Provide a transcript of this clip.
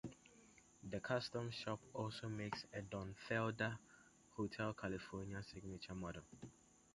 The Custom Shop also makes a Don Felder "Hotel California" signature model.